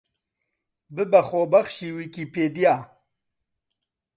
ببە خۆبەخشی ویکیپیدیا